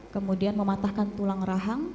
kemudian mematahkan tulang rahang